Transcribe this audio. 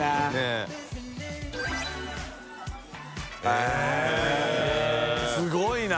へぇすごいな。